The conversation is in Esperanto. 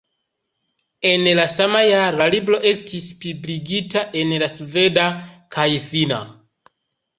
En la sama jaro la libro estis publikigita en la sveda kaj finna.